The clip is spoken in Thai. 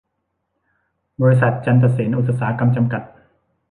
บริษัท ประจันตะเสนอุตสาหกรรม จำกัด